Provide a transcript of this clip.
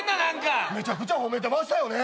めちゃくちゃ褒めてましたよね。